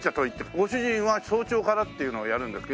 ご主人は早朝からっていうのをやるんですか？